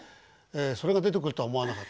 それが出てくるとは思わなかった。